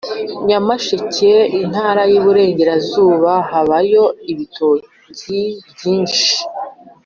nyamasheke intara y iburengerazuba habayo ibitoki byishi